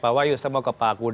pak wayu saya mau ke pak kun